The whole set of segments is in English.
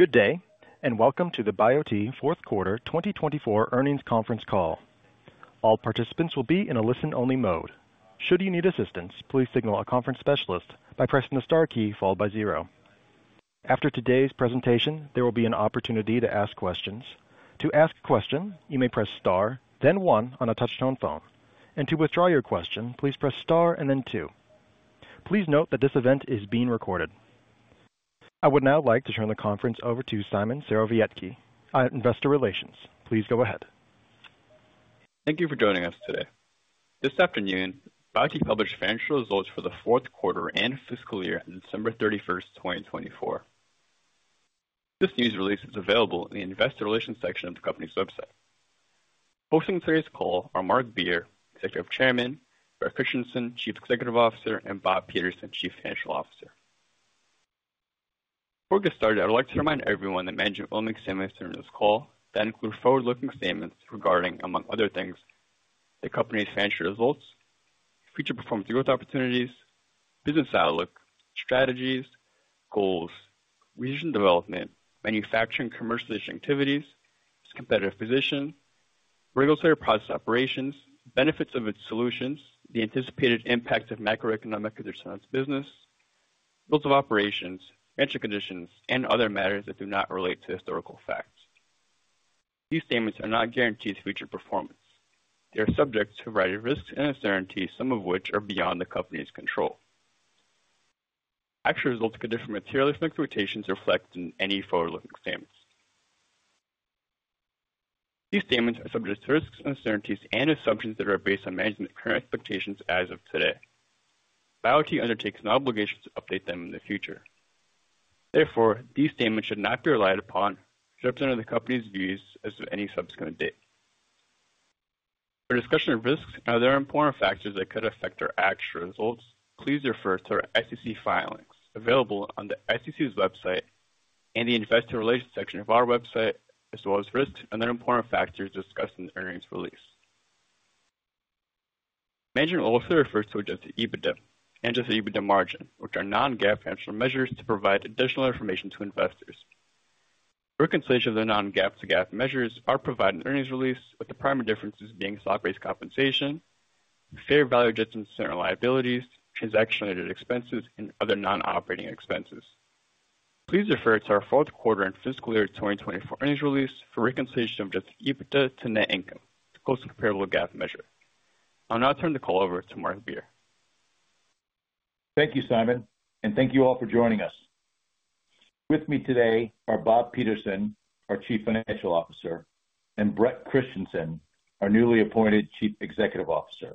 Good day, and welcome to the Biote fourth quarter 2024 earnings conference call. All participants will be in a listen-only mode. Should you need assistance, please signal a conference specialist by pressing the star key followed by zero. After today's presentation, there will be an opportunity to ask questions. To ask a question, you may press star, then one on a touch-tone phone. To withdraw your question, please press star and then two. Please note that this event is being recorded. I would now like to turn the conference over to Simon Serowiecki, Investor Relations. Please go ahead. Thank you for joining us today. This afternoon, Biote published financial results for the fourth quarter and fiscal year on December 31, 2024. This news release is available in the Investor Relations section of the company's website. Hosting today's call are Marc Beer, Executive Chairman; Bret Christensen, Chief Executive Officer; and Bob Peterson, Chief Financial Officer. Before we get started, I'd like to remind everyone that management will be examining this call. That includes forward-looking statements regarding, among other things, the company's financial results, future performance, growth opportunities, business outlook, strategies, goals, research and development, manufacturing and commercialization activities, its competitive position, regulatory process operations, benefits of its solutions, the anticipated impact of macroeconomic conditions on its business, results of operations, financial conditions, and other matters that do not relate to historical facts. These statements are not guaranteed future performance. They are subject to a variety of risks and uncertainties, some of which are beyond the company's control. Actual results can differ from material expectations reflected in any forward-looking statements. These statements are subject to risks, uncertainties, and assumptions that are based on management's current expectations as of today. Biote undertakes no obligations to update them in the future. Therefore, these statements should not be relied upon, should represent the company's views as of any subsequent date. For discussion of risks and other important factors that could affect our actual results, please refer to our SEC filings available on the SEC's website and the Investor Relations section of our website, as well as risks and other important factors discussed in the earnings release. Management will also refer to adjusted EBITDA and adjusted EBITDA margin, which are non-GAAP financial measures to provide additional information to investors. Reconciliation of the non-GAAP to GAAP measures are provided in the earnings release, with the primary differences being stock-based compensation, fair value adjustments to certain liabilities, transaction-related expenses, and other non-operating expenses. Please refer to our fourth quarter and fiscal year 2024 earnings release for reconciliation of adjusted EBITDA to net income, the closest comparable GAAP measure. I'll now turn the call over to Marc Beer. Thank you, Simon, and thank you all for joining us. With me today are Bob Peterson, our Chief Financial Officer, and Bret Christensen, our newly appointed Chief Executive Officer.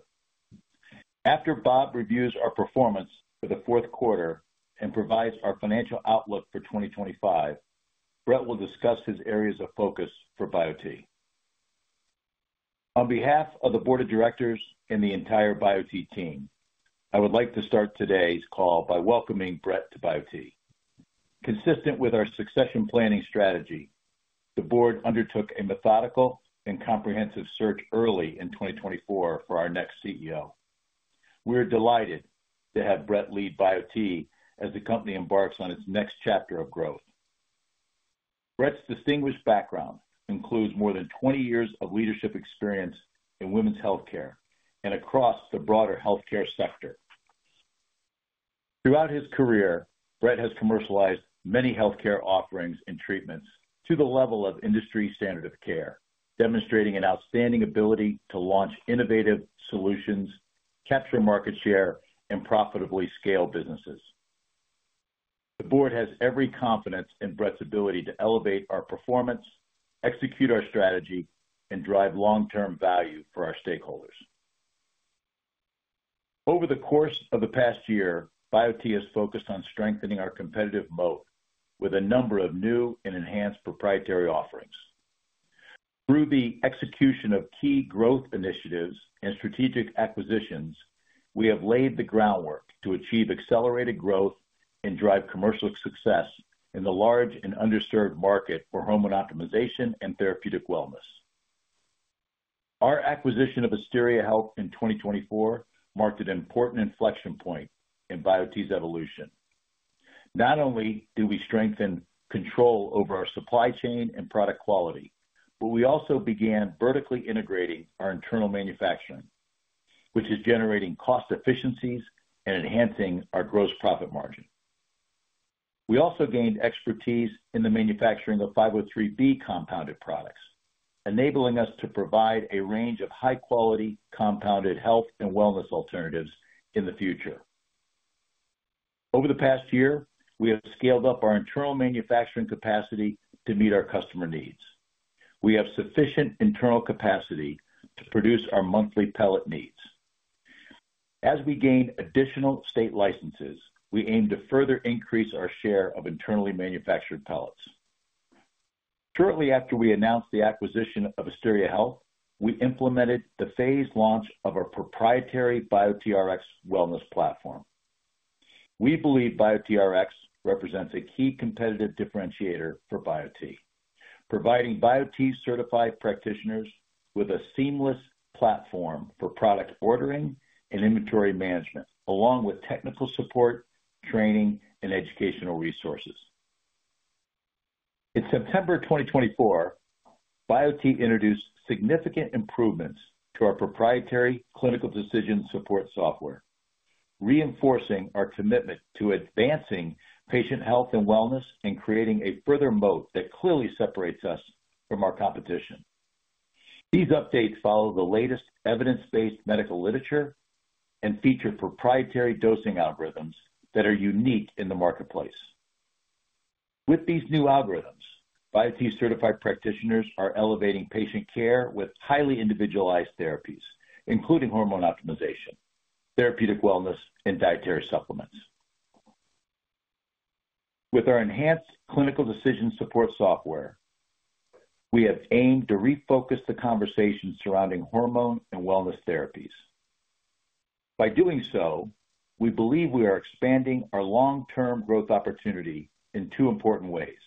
After Bob reviews our performance for the fourth quarter and provides our financial outlook for 2025, Bret will discuss his areas of focus for Biote. On behalf of the Board of Directors and the entire Biote team, I would like to start today's call by welcoming Bret to Biote. Consistent with our succession planning strategy, the board undertook a methodical and comprehensive search early in 2024 for our next CEO. We are delighted to have Bret lead Biote as the company embarks on its next chapter of growth. Bret's distinguished background includes more than 20 years of leadership experience in women's healthcare and across the broader healthcare sector. Throughout his career, Bret has commercialized many healthcare offerings and treatments to the level of industry standard of care, demonstrating an outstanding ability to launch innovative solutions, capture market share, and profitably scale businesses. The board has every confidence in Bret's ability to elevate our performance, execute our strategy, and drive long-term value for our stakeholders. Over the course of the past year, Biote has focused on strengthening our competitive moat with a number of new and enhanced proprietary offerings. Through the execution of key growth initiatives and strategic acquisitions, we have laid the groundwork to achieve accelerated growth and drive commercial success in the large and underserved market for hormone optimization and therapeutic wellness. Our acquisition of Asteria Health in 2024 marked an important inflection point in Biote's evolution. Not only did we strengthen control over our supply chain and product quality, but we also began vertically integrating our internal manufacturing, which is generating cost efficiencies and enhancing our gross profit margin. We also gained expertise in the manufacturing of 503B compounded products, enabling us to provide a range of high-quality compounded health and wellness alternatives in the future. Over the past year, we have scaled up our internal manufacturing capacity to meet our customer needs. We have sufficient internal capacity to produce our monthly pellet needs. As we gain additional state licenses, we aim to further increase our share of internally manufactured pellets. Shortly after we announced the acquisition of Asteria Health, we implemented the phased launch of our proprietary BioTRX wellness platform. We believe BioTRX represents a key competitive differentiator for Biote, providing Biote-certified practitioners with a seamless platform for product ordering and inventory management, along with technical support, training, and educational resources. In September 2024, Biote introduced significant improvements to our proprietary clinical decision support software, reinforcing our commitment to advancing patient health and wellness and creating a further moat that clearly separates us from our competition. These updates follow the latest evidence-based medical literature and feature proprietary dosing algorithms that are unique in the marketplace. With these new algorithms, Biote-certified practitioners are elevating patient care with highly individualized therapies, including hormone optimization, therapeutic wellness, and dietary supplements. With our enhanced clinical decision support software, we have aimed to refocus the conversation surrounding hormone and wellness therapies. By doing so, we believe we are expanding our long-term growth opportunity in two important ways.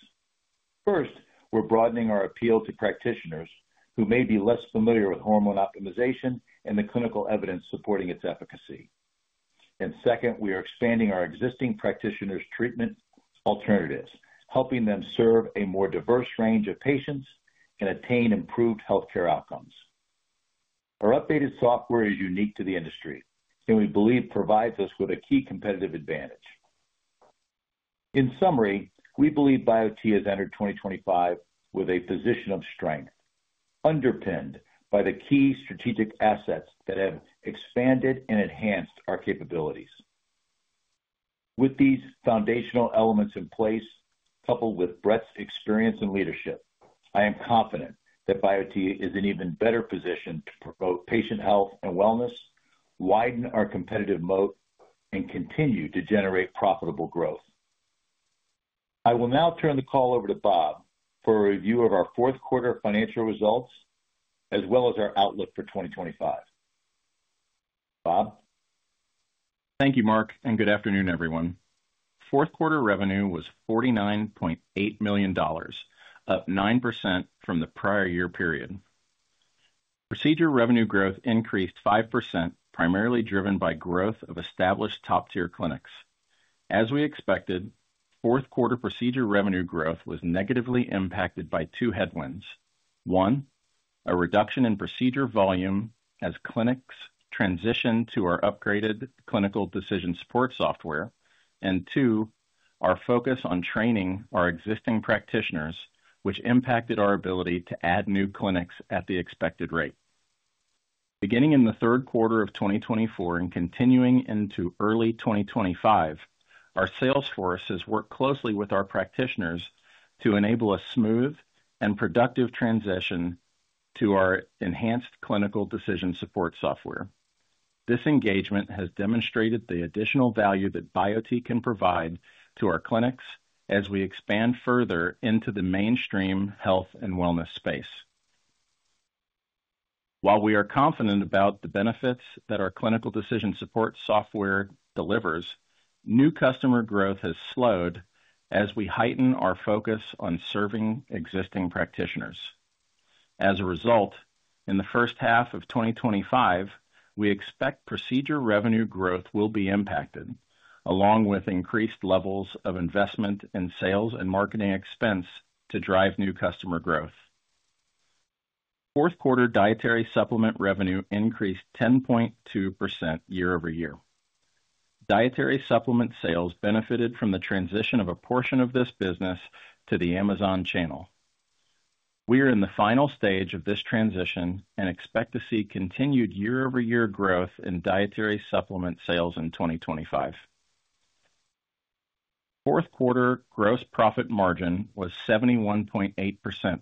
First, we're broadening our appeal to practitioners who may be less familiar with hormone optimization and the clinical evidence supporting its efficacy. Second, we are expanding our existing practitioners' treatment alternatives, helping them serve a more diverse range of patients and attain improved healthcare outcomes. Our updated software is unique to the industry and we believe provides us with a key competitive advantage. In summary, we believe Biote has entered 2025 with a position of strength, underpinned by the key strategic assets that have expanded and enhanced our capabilities. With these foundational elements in place, coupled with Bret's experience and leadership, I am confident that Biote is in an even better position to promote patient health and wellness, widen our competitive moat, and continue to generate profitable growth. I will now turn the call over to Bob for a review of our fourth quarter financial results, as well as our outlook for 2025. Bob? Thank you, Marc, and good afternoon, everyone. Fourth quarter revenue was $49.8 million, up 9% from the prior year period. Procedure revenue growth increased 5%, primarily driven by growth of established top-tier clinics. As we expected, fourth quarter procedure revenue growth was negatively impacted by two headwinds. One, a reduction in procedure volume as clinics transitioned to our upgraded clinical decision support software, and two, our focus on training our existing practitioners, which impacted our ability to add new clinics at the expected rate. Beginning in the third quarter of 2024 and continuing into early 2025, our sales force has worked closely with our practitioners to enable a smooth and productive transition to our enhanced clinical decision support software. This engagement has demonstrated the additional value that Biote can provide to our clinics as we expand further into the mainstream health and wellness space. While we are confident about the benefits that our clinical decision support software delivers, new customer growth has slowed as we heighten our focus on serving existing practitioners. As a result, in the first half of 2025, we expect procedure revenue growth will be impacted, along with increased levels of investment in sales and marketing expense to drive new customer growth. Fourth quarter dietary supplement revenue increased 10.2% year over year. Dietary supplement sales benefited from the transition of a portion of this business to the Amazon channel. We are in the final stage of this transition and expect to see continued year-over-year growth in dietary supplement sales in 2025. Fourth quarter gross profit margin was 71.8%,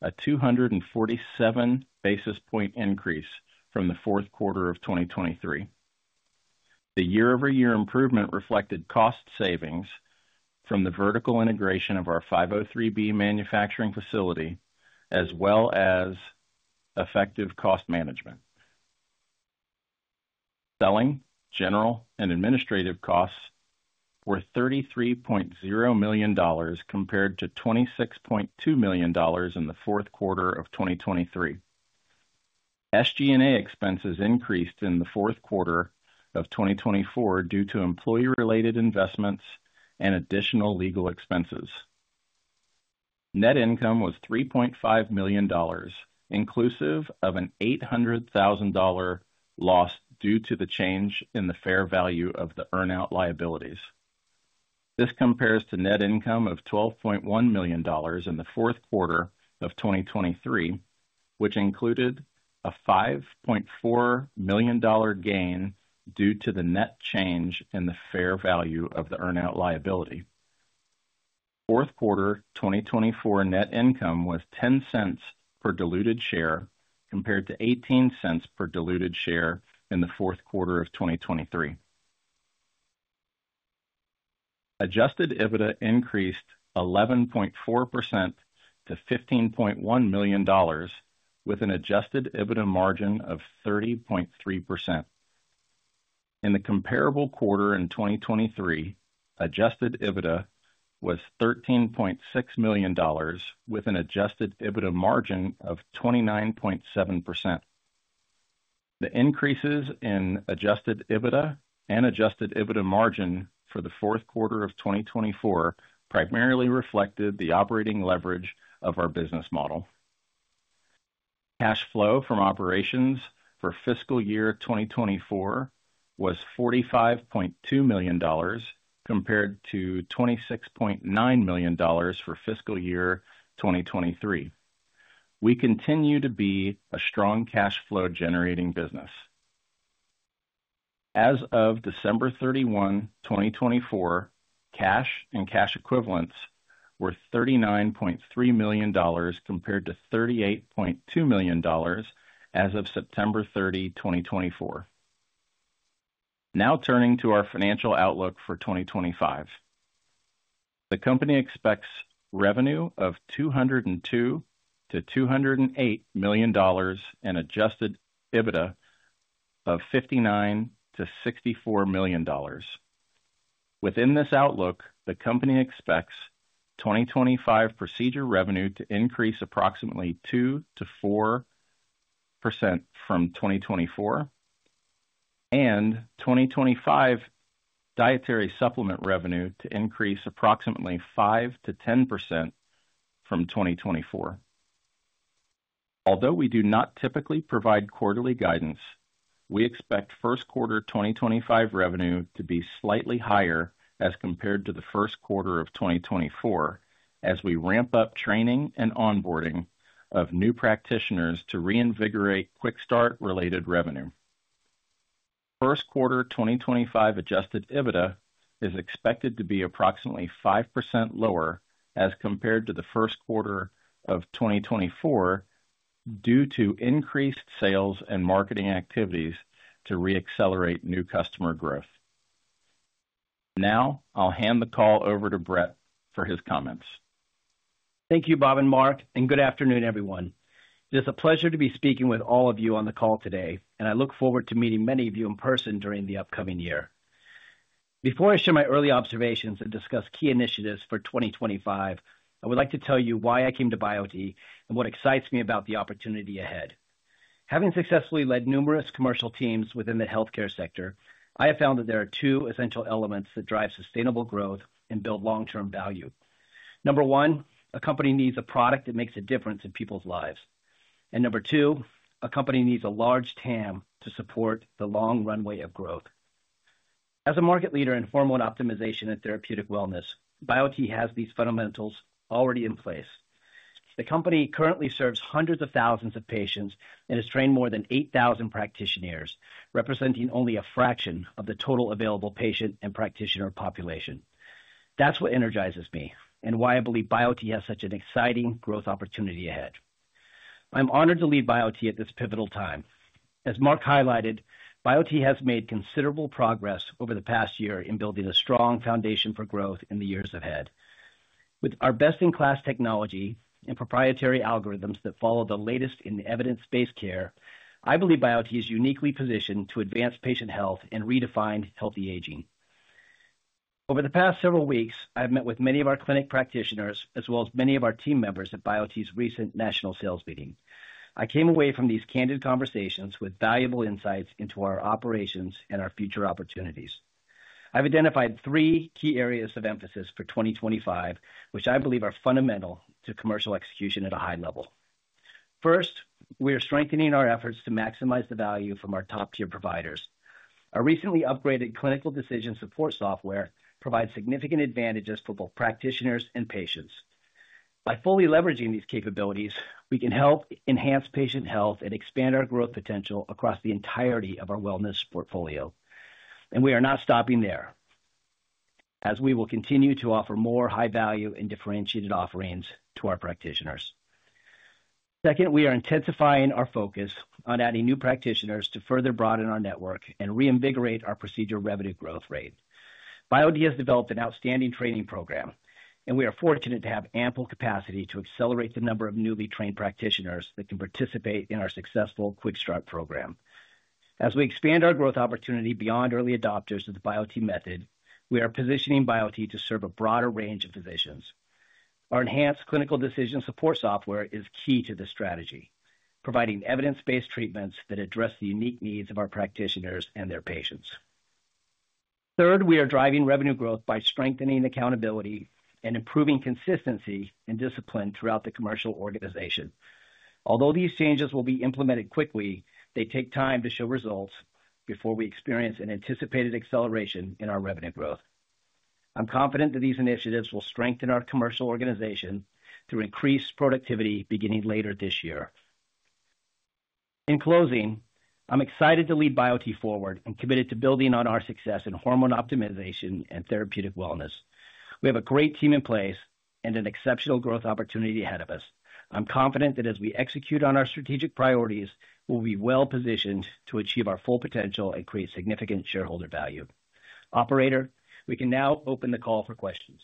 a 247 basis point increase from the fourth quarter of 2023. The year-over-year improvement reflected cost savings from the vertical integration of our 503B manufacturing facility, as well as effective cost management. Selling, general, and administrative costs were $33.0 million compared to $26.2 million in the fourth quarter of 2023. SG&A expenses increased in the fourth quarter of 2024 due to employee-related investments and additional legal expenses. Net income was $3.5 million, inclusive of an $800,000 loss due to the change in the fair value of the earn-out liabilities. This compares to net income of $12.1 million in the fourth quarter of 2023, which included a $5.4 million gain due to the net change in the fair value of the earn-out liability. Fourth quarter 2024 net income was $0.10 per diluted share compared to $0.18 per diluted share in the fourth quarter of 2023. Adjusted EBITDA increased 11.4% to $15.1 million, with an adjusted EBITDA margin of 30.3%. In the comparable quarter in 2023, adjusted EBITDA was $13.6 million, with an adjusted EBITDA margin of 29.7%. The increases in adjusted EBITDA and adjusted EBITDA margin for the fourth quarter of 2024 primarily reflected the operating leverage of our business model. Cash flow from operations for fiscal year 2024 was $45.2 million compared to $26.9 million for fiscal year 2023. We continue to be a strong cash flow-generating business. As of December 31, 2024, cash and cash equivalents were $39.3 million compared to $38.2 million as of September 30, 2024. Now turning to our financial outlook for 2025. The company expects revenue of $202-$208 million and adjusted EBITDA of $59-$64 million. Within this outlook, the company expects 2025 procedure revenue to increase approximately 2%-4% from 2024, and 2025 dietary supplement revenue to increase approximately 5%-10% from 2024. Although we do not typically provide quarterly guidance, we expect first quarter 2025 revenue to be slightly higher as compared to the first quarter of 2024 as we ramp up training and onboarding of new practitioners to reinvigorate Quick Start-related revenue. First quarter 2025 adjusted EBITDA is expected to be approximately 5% lower as compared to the first quarter of 2024 due to increased sales and marketing activities to re-accelerate new customer growth. Now I'll hand the call over to Bret for his comments. Thank you, Bob and Marc, and good afternoon, everyone. It is a pleasure to be speaking with all of you on the call today, and I look forward to meeting many of you in person during the upcoming year. Before I share my early observations and discuss key initiatives for 2025, I would like to tell you why I came to Biote and what excites me about the opportunity ahead. Having successfully led numerous commercial teams within the healthcare sector, I have found that there are two essential elements that drive sustainable growth and build long-term value. Number one, a company needs a product that makes a difference in people's lives. Number two, a company needs a large TAM to support the long runway of growth. As a market leader in hormone optimization and therapeutic wellness, Biote has these fundamentals already in place. The company currently serves hundreds of thousands of patients and has trained more than 8,000 practitioners, representing only a fraction of the total available patient and practitioner population. That's what energizes me and why I believe Biote has such an exciting growth opportunity ahead. I'm honored to lead Biote at this pivotal time. As Marc highlighted, Biote has made considerable progress over the past year in building a strong foundation for growth in the years ahead. With our best-in-class technology and proprietary algorithms that follow the latest in evidence-based care, I believe Biote is uniquely positioned to advance patient health and redefine healthy aging. Over the past several weeks, I've met with many of our clinic practitioners, as well as many of our team members at Biote's recent national sales meeting. I came away from these candid conversations with valuable insights into our operations and our future opportunities. I've identified three key areas of emphasis for 2025, which I believe are fundamental to commercial execution at a high level. First, we are strengthening our efforts to maximize the value from our top-tier providers. Our recently upgraded clinical decision support software provides significant advantages for both practitioners and patients. By fully leveraging these capabilities, we can help enhance patient health and expand our growth potential across the entirety of our wellness portfolio. We are not stopping there, as we will continue to offer more high-value and differentiated offerings to our practitioners. Second, we are intensifying our focus on adding new practitioners to further broaden our network and reinvigorate our procedure revenue growth rate. Biote has developed an outstanding training program, and we are fortunate to have ample capacity to accelerate the number of newly trained practitioners that can participate in our successful Quick Start Program. As we expand our growth opportunity beyond early adopters of the Biote Method, we are positioning Biote to serve a broader range of physicians. Our enhanced clinical decision support software is key to this strategy, providing evidence-based treatments that address the unique needs of our practitioners and their patients. Third, we are driving revenue growth by strengthening accountability and improving consistency and discipline throughout the commercial organization. Although these changes will be implemented quickly, they take time to show results before we experience an anticipated acceleration in our revenue growth. I'm confident that these initiatives will strengthen our commercial organization through increased productivity beginning later this year. In closing, I'm excited to lead BioTE forward and committed to building on our success in hormone optimization and therapeutic wellness. We have a great team in place and an exceptional growth opportunity ahead of us. I'm confident that as we execute on our strategic priorities, we'll be well positioned to achieve our full potential and create significant shareholder value. Operator, we can now open the call for questions.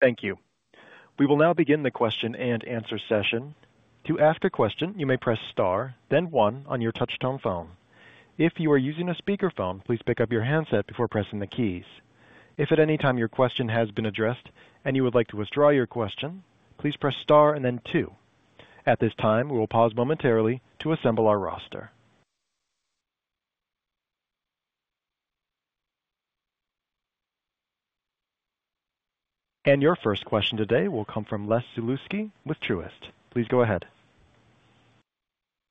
Thank you. We will now begin the question and answer session. To ask a question, you may press star, then one on your touch-tone phone. If you are using a speakerphone, please pick up your handset before pressing the keys. If at any time your question has been addressed and you would like to withdraw your question, please press star and then two. At this time, we will pause momentarily to assemble our roster. Your first question today will come from Les Sulewski with Truist. Please go ahead.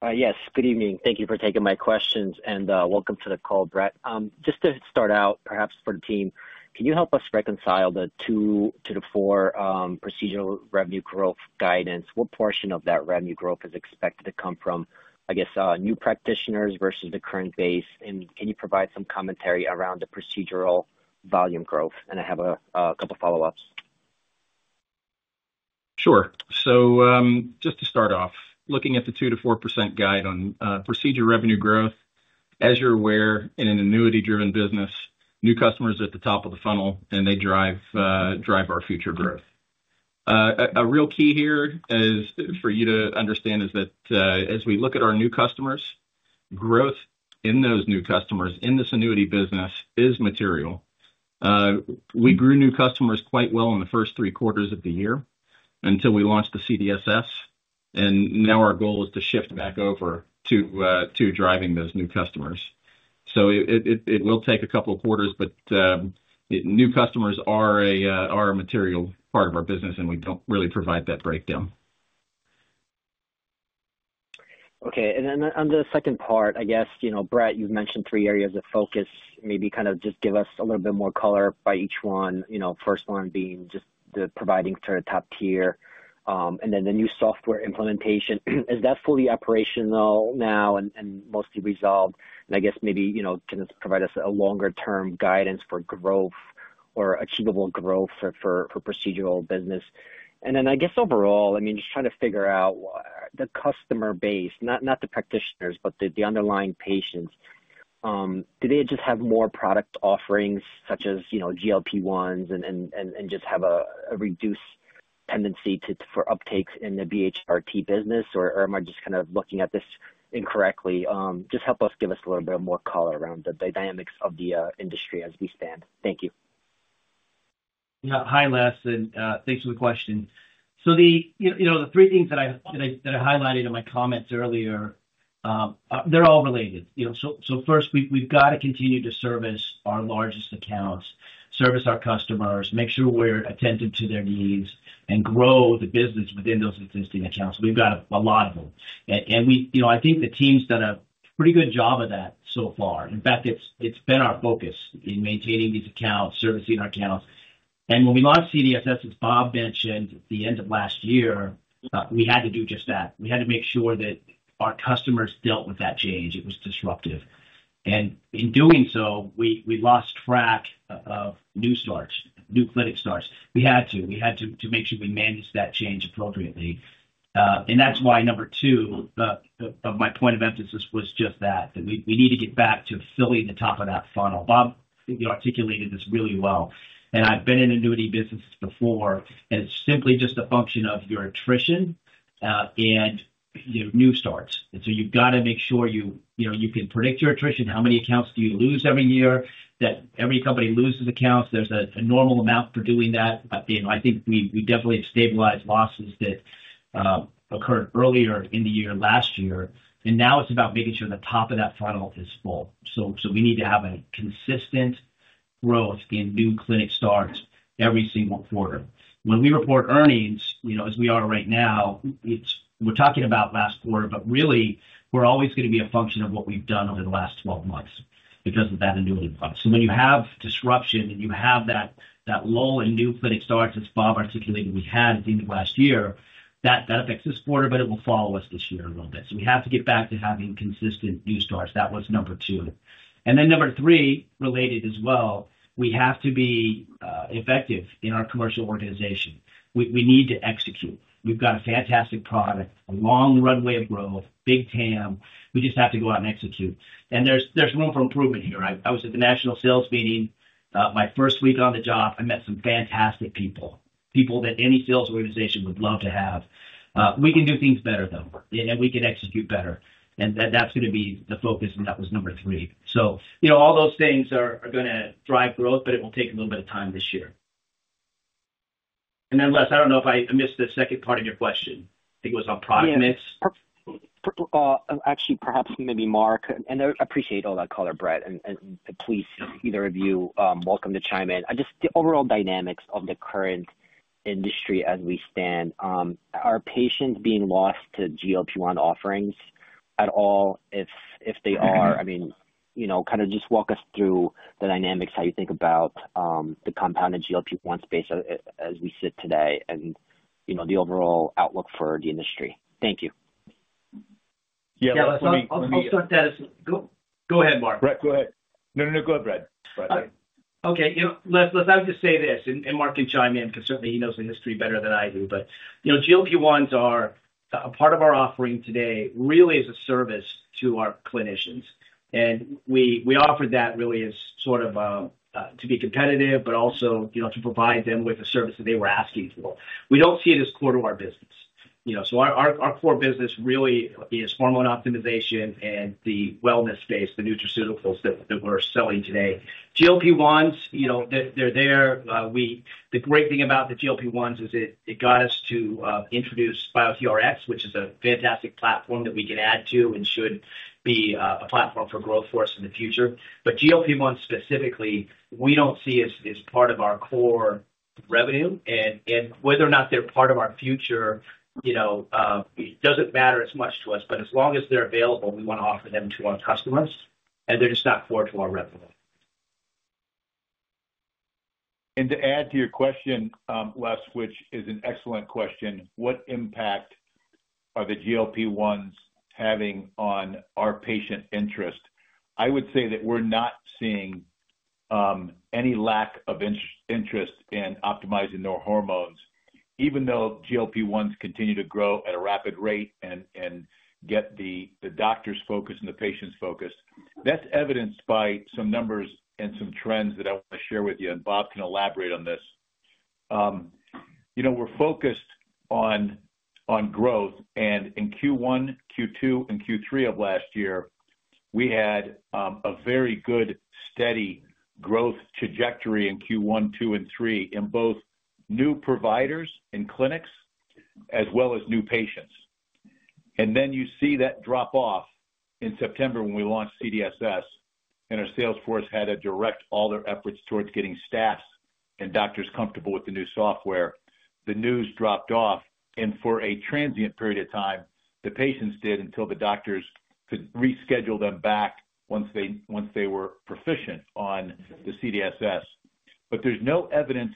Yes, good evening. Thank you for taking my questions and welcome to the call, Bret. Just to start out, perhaps for the team, can you help us reconcile the two to the four procedural revenue growth guidance? What portion of that revenue growth is expected to come from, I guess, new practitioners versus the current base? Can you provide some commentary around the procedural volume growth? I have a couple of follow-ups. Sure. Just to start off, looking at the 2%-4% guide on procedure revenue growth, as you're aware, in an annuity-driven business, new customers are at the top of the funnel, and they drive our future growth. A real key here for you to understand is that as we look at our new customers, growth in those new customers in this annuity business is material. We grew new customers quite well in the first three quarters of the year until we launched the CDSS. Now our goal is to shift back over to driving those new customers. It will take a couple of quarters, but new customers are a material part of our business, and we don't really provide that breakdown. Okay. On the second part, I guess, Bret, you've mentioned three areas of focus. Maybe kind of just give us a little bit more color by each one. First one being just the providing to the top tier and then the new software implementation. Is that fully operational now and mostly resolved? I guess maybe can this provide us a longer-term guidance for growth or achievable growth for procedural business? I guess overall, I mean, just trying to figure out the customer base, not the practitioners, but the underlying patients. Do they just have more product offerings such as GLP-1s and just have a reduced tendency for uptakes in the BHRT business, or am I just kind of looking at this incorrectly? Just help us give us a little bit more color around the dynamics of the industry as we stand. Thank you. Yeah. Hi, Les. Thanks for the question. The three things that I highlighted in my comments earlier, they're all related. First, we've got to continue to service our largest accounts, service our customers, make sure we're attentive to their needs, and grow the business within those existing accounts. We've got a lot of them. I think the team's done a pretty good job of that so far. In fact, it's been our focus in maintaining these accounts, servicing our accounts. When we launched CDSS, as Bob mentioned at the end of last year, we had to do just that. We had to make sure that our customers dealt with that change. It was disruptive. In doing so, we lost track of new starts, new clinic starts. We had to. We had to make sure we managed that change appropriately. That is why number two of my point of emphasis was just that, that we need to get back to filling the top of that funnel. Bob articulated this really well. I have been in annuity businesses before, and it is simply just a function of your attrition and your new starts. You have to make sure you can predict your attrition. How many accounts do you lose every year? Every company loses accounts. There is a normal amount for doing that. I think we definitely have stabilized losses that occurred earlier in the year last year. Now it is about making sure the top of that funnel is full. We need to have a consistent growth in new clinic starts every single quarter. When we report earnings, as we are right now, we're talking about last quarter, but really, we're always going to be a function of what we've done over the last 12 months because of that annuity fund. When you have disruption and you have that lull in new clinic starts, as Bob articulated, we had at the end of last year, that affects this quarter, but it will follow us this year a little bit. We have to get back to having consistent new starts. That was number two. Number three, related as well, we have to be effective in our commercial organization. We need to execute. We've got a fantastic product, a long runway of growth, big TAM. We just have to go out and execute. There's room for improvement here. I was at the national sales meeting. My first week on the job, I met some fantastic people, people that any sales organization would love to have. We can do things better, though, and we can execute better. That is going to be the focus, and that was number three. All those things are going to drive growth, but it will take a little bit of time this year. Les, I do not know if I missed the second part of your question. I think it was on product mix. Actually, perhaps maybe Marc. I appreciate all that color, Bret. Please, either of you, welcome to chime in. Just the overall dynamics of the current industry as we stand, are patients being lost to GLP-1 offerings at all if they are? I mean, kind of just walk us through the dynamics, how you think about the compounded GLP-1 space as we sit today, and the overall outlook for the industry. Thank you. Yeah. I'll start that as go ahead, Marc. Bret, go ahead. No, no, no. Go ahead, Bret. Okay. Les, I would just say this, and Marc can chime in because certainly he knows the history better than I do. GLP-1s are a part of our offering today, really as a service to our clinicians. We offered that really as sort of to be competitive, but also to provide them with the service that they were asking for. We do not see it as core to our business. Our core business really is hormone optimization and the wellness space, the nutraceuticals that we are selling today. GLP-1s, they are there. The great thing about the GLP-1s is it got us to introduce BioTRX, which is a fantastic platform that we can add to and should be a platform for growth for us in the future. GLP-1s specifically, we do not see as part of our core revenue. Whether or not they're part of our future, it doesn't matter as much to us. As long as they're available, we want to offer them to our customers. They're just not core to our revenue. To add to your question, Les, which is an excellent question, what impact are the GLP-1s having on our patient interest? I would say that we're not seeing any lack of interest in optimizing their hormones, even though GLP-1s continue to grow at a rapid rate and get the doctor's focus and the patient's focus. That is evidenced by some numbers and some trends that I want to share with you. Bob can elaborate on this. We're focused on growth. In Q1, Q2, and Q3 of last year, we had a very good steady growth trajectory in Q1, Q2, and Q3 in both new providers and clinics, as well as new patients. You see that drop off in September when we launched CDSS, and our Salesforce had to direct all their efforts towards getting staff and doctors comfortable with the new software. The news dropped off. For a transient period of time, the patients did until the doctors could reschedule them back once they were proficient on the CDSS. There is no evidence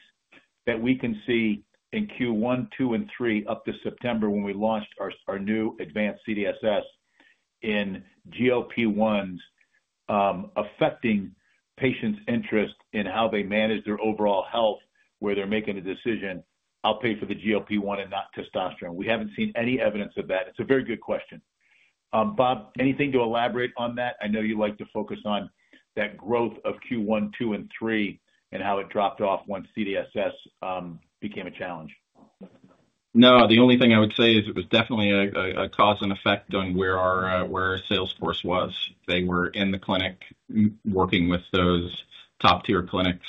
that we can see in Q1, Q2, and Q3 up to September when we launched our new advanced CDSS in GLP-1s affecting patients' interest in how they manage their overall health, where they're making a decision, "I'll pay for the GLP-1 and not testosterone." We have not seen any evidence of that. It's a very good question. Bob, anything to elaborate on that? I know you like to focus on that growth of Q1, Q2, and Q3 and how it dropped off once CDSS became a challenge. No, the only thing I would say is it was definitely a cause and effect on where our Salesforce was. They were in the clinic working with those top-tier clinics.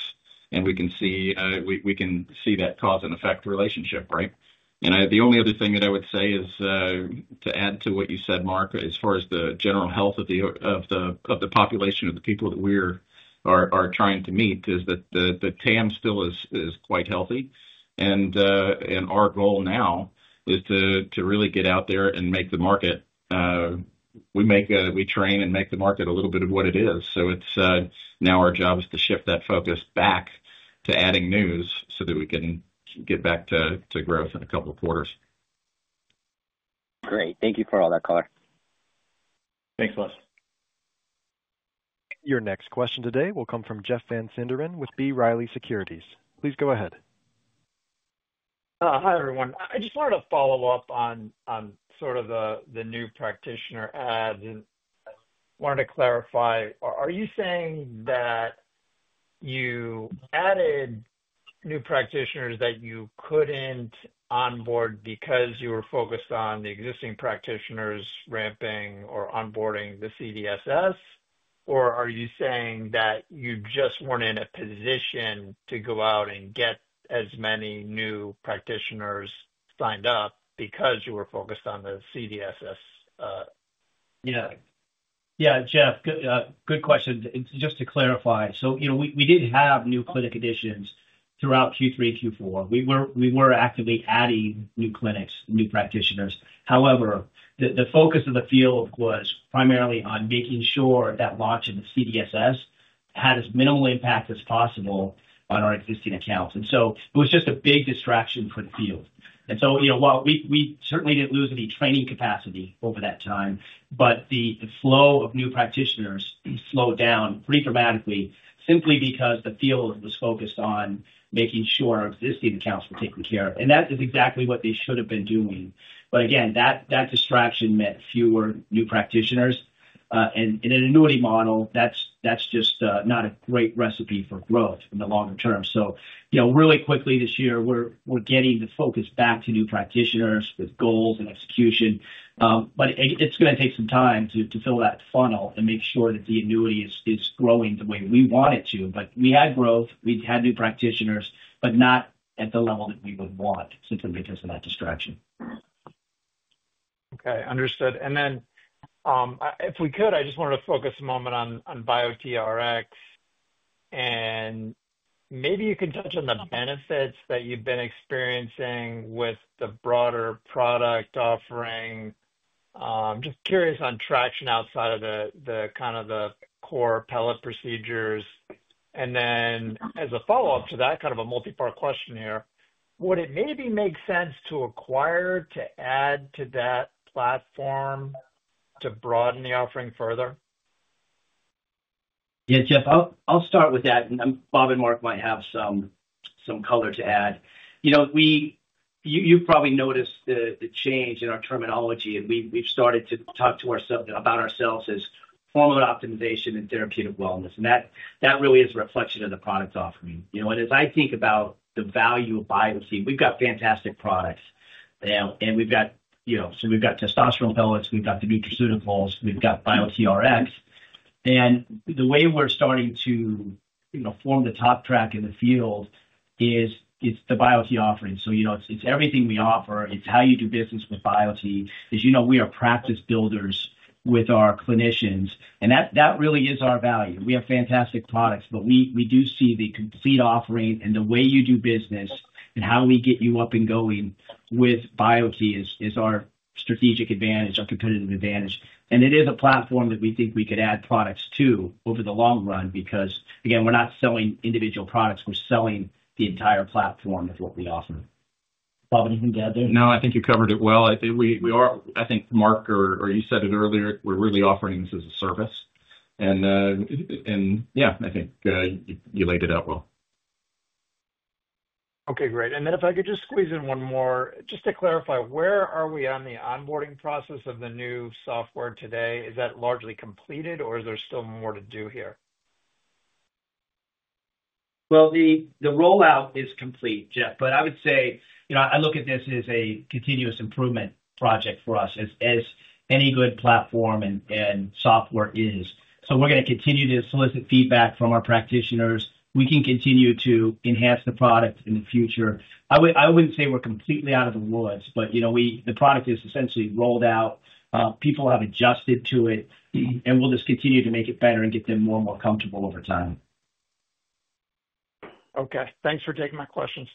We can see that cause and effect relationship, right? The only other thing that I would say is to add to what you said, Marc, as far as the general health of the population of the people that we are trying to meet is that the TAM still is quite healthy. Our goal now is to really get out there and make the market, we train and make the market a little bit of what it is. Now our job is to shift that focus back to adding news so that we can get back to growth in a couple of quarters. Great. Thank you for all that color. Thanks, Les. Your next question today will come from Jeff Van Sinderen with B. Riley Securities. Please go ahead. Hi, everyone. I just wanted to follow up on sort of the new practitioner ads. I wanted to clarify, are you saying that you added new practitioners that you couldn't onboard because you were focused on the existing practitioners ramping or onboarding the CDSS? Or are you saying that you just weren't in a position to go out and get as many new practitioners signed up because you were focused on the CDSS? Yeah. Yeah, Jeff, good question. Just to clarify, we did have new clinic additions throughout Q3 and Q4. We were actively adding new clinics, new practitioners. However, the focus of the field was primarily on making sure that launch of the CDSS had as minimal impact as possible on our existing accounts. It was just a big distraction for the field. While we certainly did not lose any training capacity over that time, the flow of new practitioners slowed down pretty dramatically simply because the field was focused on making sure our existing accounts were taken care of. That is exactly what they should have been doing. That distraction meant fewer new practitioners. In an annuity model, that is just not a great recipe for growth in the longer term. Really quickly this year, we're getting the focus back to new practitioners with goals and execution. It's going to take some time to fill that funnel and make sure that the annuity is growing the way we want it to. We had growth. We had new practitioners, but not at the level that we would want simply because of that distraction. Okay. Understood. If we could, I just wanted to focus a moment on BioTRX. Maybe you can touch on the benefits that you've been experiencing with the broader product offering. Just curious on traction outside of the kind of the core pellet procedures. As a follow-up to that, kind of a multi-part question here, would it maybe make sense to acquire, to add to that platform, to broaden the offering further? Yeah, Jeff, I'll start with that. Bob and Marc might have some color to add. You've probably noticed the change in our terminology. We've started to talk to ourselves about ourselves as hormone optimization and therapeutic wellness. That really is a reflection of the product offering. As I think about the value of Biote, we've got fantastic products. We've got testosterone pellets. We've got the nutraceuticals. We've got BioTRX. The way we're starting to form the top track in the field is the Biote offering. It's everything we offer. It's how you do business with Biote because we are practice builders with our clinicians. That really is our value. We have fantastic products, but we do see the complete offering and the way you do business and how we get you up and going with Biote is our strategic advantage, our competitive advantage. It is a platform that we think we could add products to over the long run because, again, we're not selling individual products. We're selling the entire platform of what we offer. Bob, anything to add there? No, I think you covered it well. I think Marc or you said it earlier, we're really offering this as a service. Yeah, I think you laid it out well. Okay. Great. If I could just squeeze in one more, just to clarify, where are we on the onboarding process of the new software today? Is that largely completed, or is there still more to do here? The rollout is complete, Jeff. I would say I look at this as a continuous improvement project for us, as any good platform and software is. We are going to continue to solicit feedback from our practitioners. We can continue to enhance the product in the future. I would not say we are completely out of the woods, but the product is essentially rolled out. People have adjusted to it. We will just continue to make it better and get them more and more comfortable over time. Okay. Thanks for taking my questions.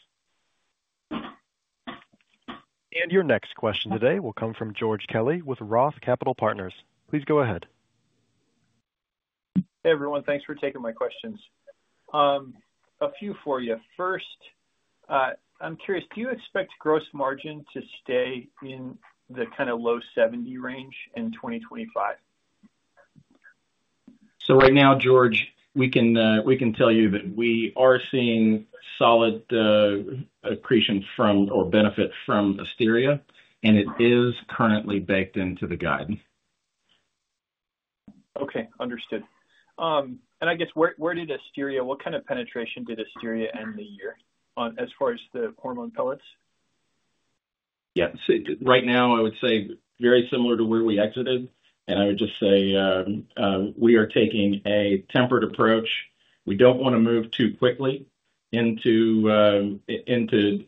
Your next question today will come from George Kelly with Roth Capital Partners. Please go ahead. Hey, everyone. Thanks for taking my questions. A few for you. First, I'm curious, do you expect gross margin to stay in the kind of low 70% range in 2025? Right now, George, we can tell you that we are seeing solid accretion or benefit from Asteria, and it is currently baked into the guide. Okay. Understood. I guess, where did Asteria, what kind of penetration did Asteria end the year as far as the hormone pellets? Yeah. Right now, I would say very similar to where we exited. I would just say we are taking a tempered approach. We don't want to move too quickly into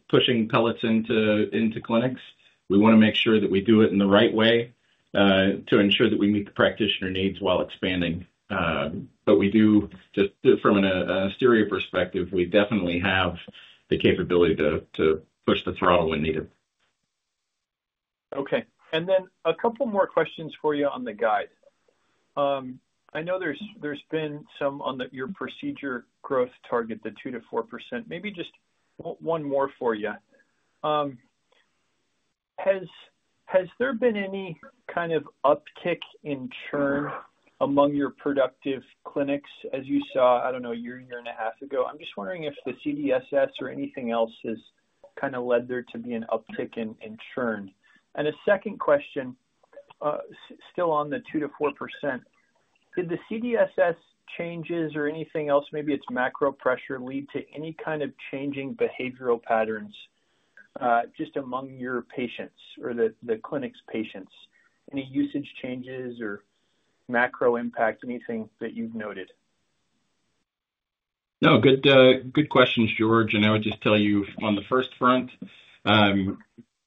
pushing pellets into clinics. We want to make sure that we do it in the right way to ensure that we meet the practitioner needs while expanding. From an Asteria perspective, we definitely have the capability to push the throttle when needed. Okay. And then a couple more questions for you on the guide. I know there's been some on your procedure growth target, the 2-4%. Maybe just one more for you. Has there been any kind of uptick in churn among your productive clinics as you saw, I don't know, a year and a half ago? I'm just wondering if the CDSS or anything else has kind of led there to be an uptick in churn. A second question, still on the 2-4%, did the CDSS changes or anything else, maybe it's macro pressure, lead to any kind of changing behavioral patterns just among your patients or the clinic's patients? Any usage changes or macro impact, anything that you've noted? No. Good question, George. I would just tell you on the first front,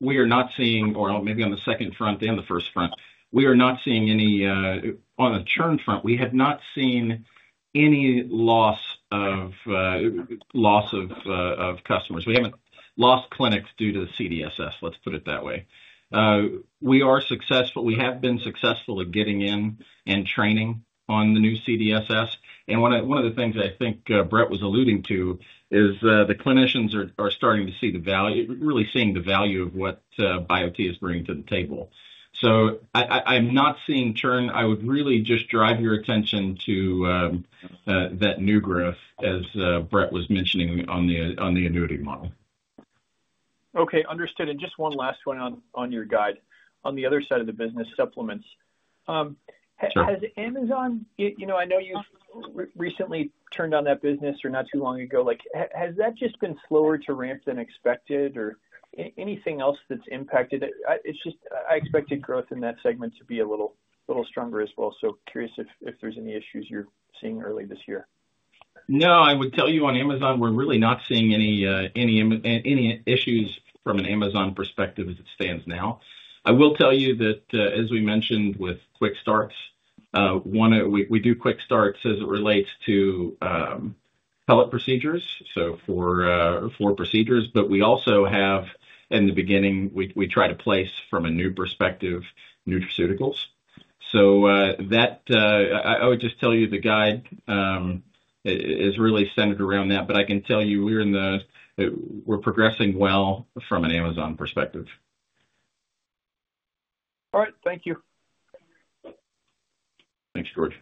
we are not seeing or maybe on the second front and the first front, we are not seeing any on the churn front, we have not seen any loss of customers. We have not lost clinics due to the CDSS, let's put it that way. We have been successful at getting in and training on the new CDSS. One of the things I think Bret was alluding to is the clinicians are starting to see the value, really seeing the value of what Biote is bringing to the table. I am not seeing churn. I would really just drive your attention to that new growth, as Bret was mentioning on the annuity model. Okay. Understood. Just one last one on your guide. On the other side of the business, supplements. Has Amazon, I know you've recently turned on that business or not too long ago, has that just been slower to ramp than expected or anything else that's impacted? I expected growth in that segment to be a little stronger as well. Curious if there's any issues you're seeing early this year. No. I would tell you on Amazon, we're really not seeing any issues from an Amazon perspective as it stands now. I will tell you that, as we mentioned with Quick Starts, we do Quick Starts as it relates to pellet procedures, so for procedures. We also have, in the beginning, we try to place from a new perspective, nutraceuticals. I would just tell you the guide is really centered around that. I can tell you we're progressing well from an Amazon perspective. All right. Thank you. Thanks, George.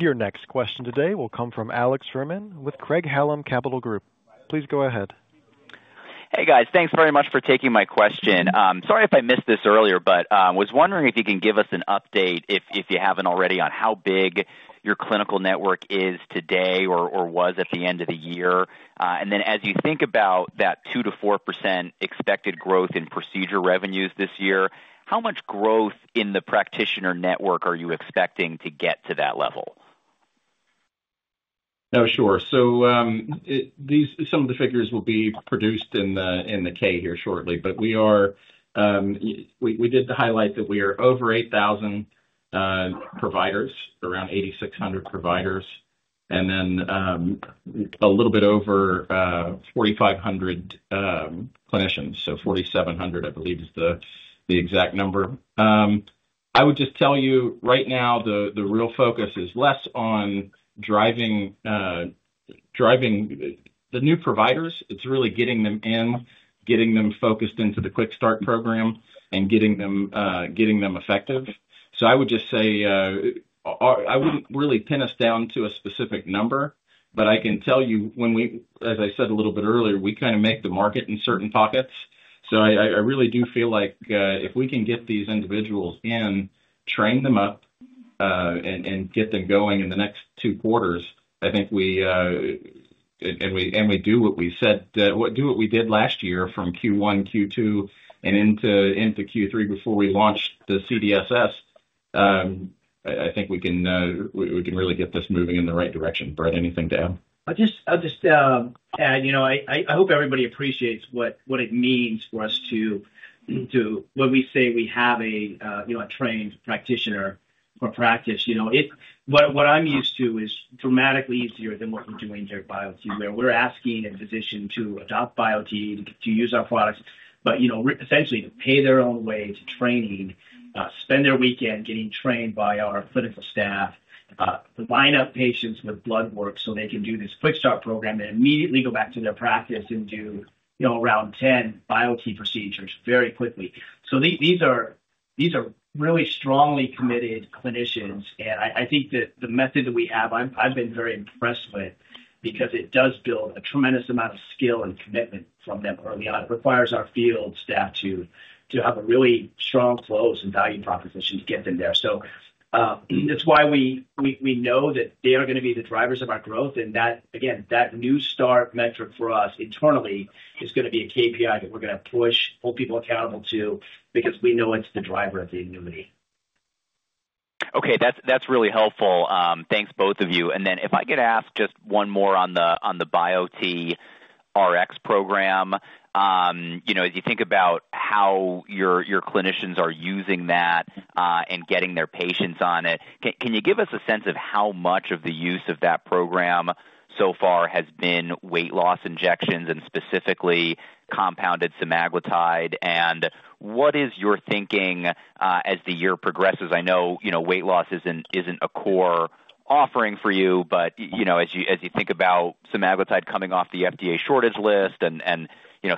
Your next question today will come from Alex Fuhrman with Craig-Hallum Capital Group. Please go ahead. Hey, guys. Thanks very much for taking my question. Sorry if I missed this earlier, but I was wondering if you can give us an update, if you haven't already, on how big your clinical network is today or was at the end of the year. As you think about that 2-4% expected growth in procedure revenues this year, how much growth in the practitioner network are you expecting to get to that level? No, sure. Some of the figures will be produced in the K here shortly. We did highlight that we are over 8,000 providers, around 8,600 providers, and then a little bit over 4,500 clinicians. 4,700, I believe, is the exact number. I would just tell you right now, the real focus is less on driving the new providers. It is really getting them in, getting them focused into the Quick Start program, and getting them effective. I would just say I would not really pin us down to a specific number, but I can tell you, as I said a little bit earlier, we kind of make the market in certain pockets. I really do feel like if we can get these individuals in, train them up, and get them going in the next two quarters, I think we, and we do what we said, do what we did last year from Q1, Q2, and into Q3 before we launched the CDSS, I think we can really get this moving in the right direction. Bret, anything to add? I'll just add, I hope everybody appreciates what it means for us when we say we have a trained practitioner or practice. What I'm used to is dramatically easier than what we're doing here at Biote, where we're asking a physician to adopt Biote, to use our products, but essentially to pay their own way to training, spend their weekend getting trained by our clinical staff, line up patients with blood work so they can do this Quick Start program and immediately go back to their practice and do around 10 Biote procedures very quickly. These are really strongly committed clinicians. I think that the method that we have, I've been very impressed with because it does build a tremendous amount of skill and commitment from them early on. It requires our field staff to have a really strong close and value proposition to get them there. That is why we know that they are going to be the drivers of our growth. Again, that new start metric for us internally is going to be a KPI that we are going to push, hold people accountable to because we know it is the driver of the annuity. Okay. That's really helpful. Thanks, both of you. If I could ask just one more on the BioTRX program, as you think about how your clinicians are using that and getting their patients on it, can you give us a sense of how much of the use of that program so far has been weight loss injections and specifically compounded semaglutide? What is your thinking as the year progresses? I know weight loss isn't a core offering for you, but as you think about semaglutide coming off the FDA shortage list and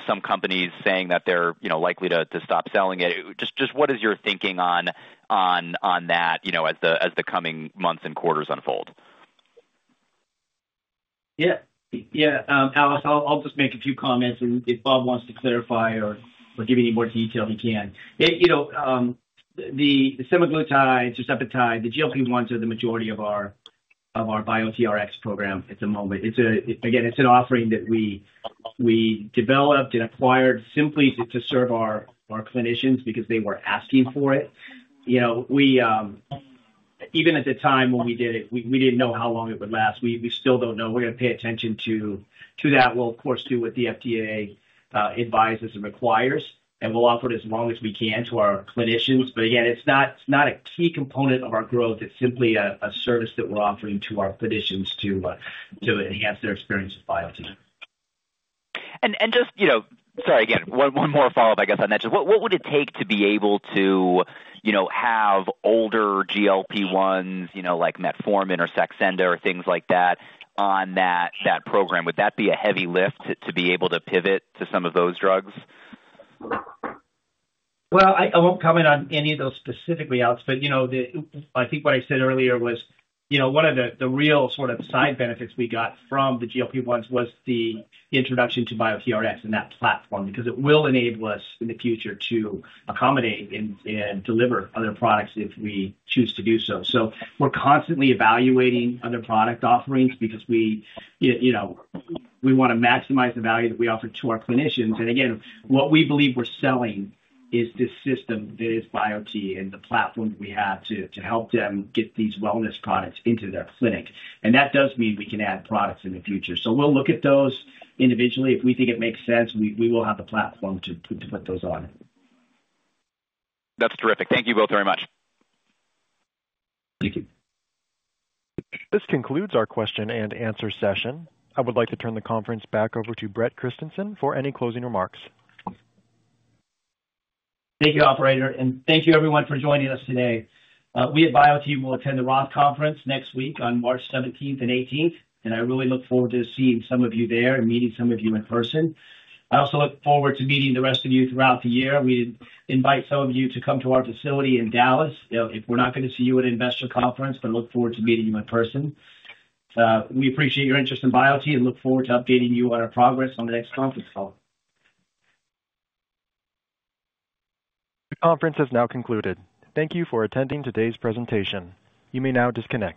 some companies saying that they're likely to stop selling it, just what is your thinking on that as the coming months and quarters unfold? Yeah. Yeah. Alex, I'll just make a few comments. If Bob wants to clarify or give any more detail, he can. The semaglutide, tirzepatide, the GLP-1s are the majority of our BioTRX program at the moment. Again, it's an offering that we developed and acquired simply to serve our clinicians because they were asking for it. Even at the time when we did it, we did not know how long it would last. We still do not know. We are going to pay attention to that. We will, of course, do what the FDA advises and requires. We will offer it as long as we can to our clinicians. Again, it is not a key component of our growth. It is simply a service that we are offering to our clinicians to enhance their experience with BioTE. Sorry, again, one more follow-up, I guess, on that. What would it take to be able to have older GLP-1s like metformin or Saxenda or things like that on that program? Would that be a heavy lift to be able to pivot to some of those drugs? I won't comment on any of those specifically, Alex. I think what I said earlier was one of the real sort of side benefits we got from the GLP-1s was the introduction to BioTRX and that platform because it will enable us in the future to accommodate and deliver other products if we choose to do so. We're constantly evaluating other product offerings because we want to maximize the value that we offer to our clinicians. Again, what we believe we're selling is this system that is BioTE and the platform that we have to help them get these wellness products into their clinic. That does mean we can add products in the future. We'll look at those individually. If we think it makes sense, we will have the platform to put those on. That's terrific. Thank you both very much. Thank you. This concludes our question and answer session. I would like to turn the conference back over to Bret Christensen for any closing remarks. Thank you, operator. Thank you, everyone, for joining us today. We at BioTE will attend the Roth conference next week on March 17th and 18th. I really look forward to seeing some of you there and meeting some of you in person. I also look forward to meeting the rest of you throughout the year. We invite some of you to come to our facility in Dallas. If we're not going to see you at an investor conference, we look forward to meeting you in person. We appreciate your interest in BioTE and look forward to updating you on our progress on the next conference call. The conference has now concluded. Thank you for attending today's presentation. You may now disconnect.